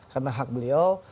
karena hak beliau